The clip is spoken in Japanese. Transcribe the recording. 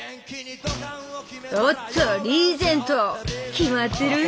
おっとリーゼント決まってるぅ！